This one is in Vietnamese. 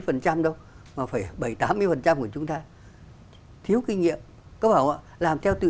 thế hệ nào mà phải bảy tám mươi phần trăm của chúng ta thiếu kinh nghiệm có bảo ạ làm theo tự